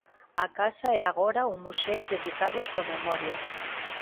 A casa é agora un museo dedicado á súa memoria.